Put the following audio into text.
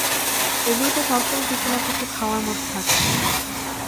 এগুলোতে সবসময়ই কিছু না কিছু খাওয়ার মতো থাকে!